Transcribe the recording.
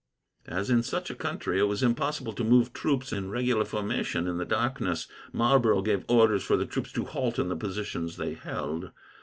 As, in such a country, it was impossible to move troops in regular formation in the darkness, Marlborough gave orders for the troops to halt in the positions they held.